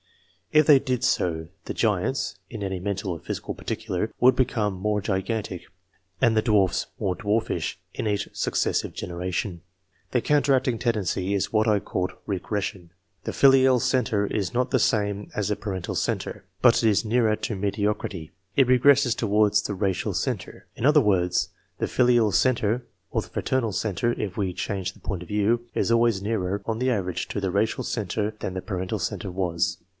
If they did so, the giants (in any mental or physical par ticular) would become more gigantic, and the dwarfs more Iwarfish, in each successive generation. The counteract ig tendency is what I called "regression." The filial mtre is not the same as the parental centre, but it is nearer mediocrity ; it regresses towards the racial centre. In ler words, the filial centre (or the fraternal centre, if we change the point of view) is always nearer, on the average, to the racial centre than the parental centre was.